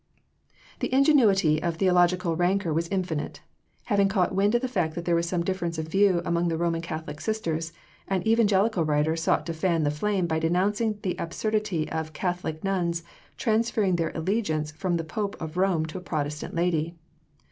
The ingenuity of theological rancour was infinite. Having caught wind of the fact that there was some difference of view among the Roman Catholic Sisters, an Evangelical writer sought to fan the flame by denouncing the absurdity of "Catholic Nuns transferring their allegiance from the Pope of Rome to a Protestant Lady."